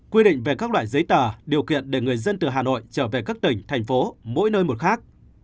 quy định về các loại giấy tờ điều kiện để người dân từ hà nội trở về các tỉnh thành phố mỗi nơi một khác